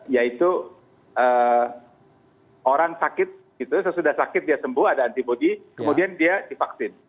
yaitu orang sakit gitu sesudah sakit dia sembuh ada antibody kemudian dia divaksin